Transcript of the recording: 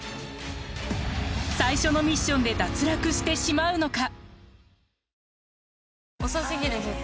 最初のミッションで脱落してしまうのか！？